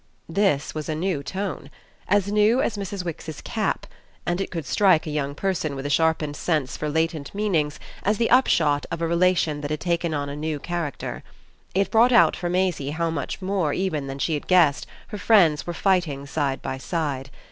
This was a new tone as new as Mrs. Wix's cap; and it could strike a young person with a sharpened sense for latent meanings as the upshot of a relation that had taken on a new character. It brought out for Maisie how much more even than she had guessed her friends were fighting side by side.